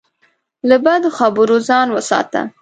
له بدو خبرو ځان وساته.